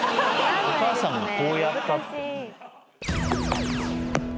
お母さんがこうやったって。